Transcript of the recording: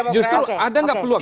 justru ada nggak peluang